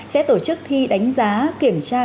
sẽ tổ chức thi đánh giá kiểm tra